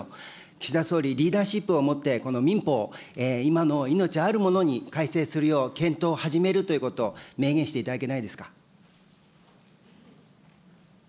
岸田総理、リーダーシップをもってこの民法、今の命あるものに改正するよう、検討を始めるということ、明言していただけないでしょうか。